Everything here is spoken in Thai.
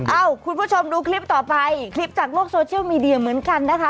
คุณผู้ชมดูคลิปต่อไปคลิปจากโลกโซเชียลมีเดียเหมือนกันนะคะ